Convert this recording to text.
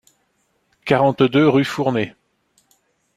quarante-deux rue Fournet